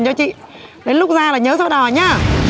đến lúc ra là nhớ sao đỏ nhá